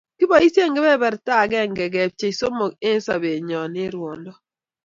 Kiboisie kebertab agenge kepchee somok eng sobenyo eng ruondo